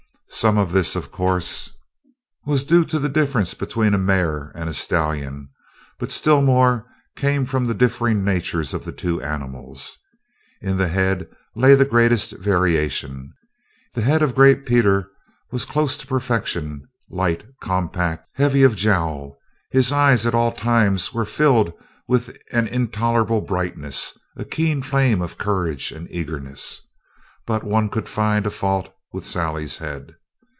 Some of this, of course, was due to the difference between a mare and a stallion, but still more came from the differing natures of the two animals. In the head lay the greatest variation. The head of Gray Peter was close to perfection, light, compact, heavy of jowl; his eye at all times was filled with an intolerable brightness, a keen flame of courage and eagerness. But one could find a fault with Sally's head.